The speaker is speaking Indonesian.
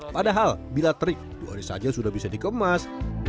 padahal bila terik dua hari saja sudah bisa dikemas